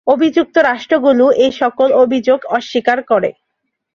অভিযুক্ত রাষ্ট্রগুলো এ সকল অভিযোগ অস্বীকার করে।